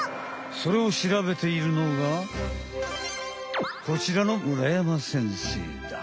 それをしらべているのがこちらの村山先生だ。